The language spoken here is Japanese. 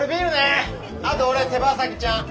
あと俺手羽先ちゃん。